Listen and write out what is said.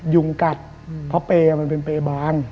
ยุงกัดเพราะไปเป็นไปบาน